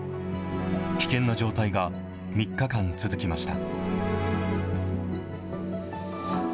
危険な状態が３日間続きました。